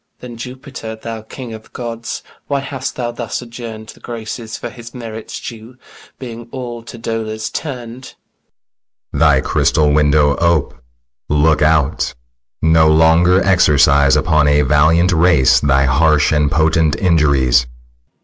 Then, Jupiter, thou king of gods, Why hast thou thus adjourn'd The graces for his merits due, Being all to dolours turn'd? SICILIUS. Thy crystal window ope; look out; No longer exercise Upon a valiant race thy harsh And potent injuries.